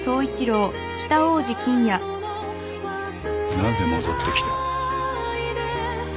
なぜ戻ってきた？